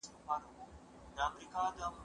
هغه وويل چي درسونه تيارول ضروري دي!.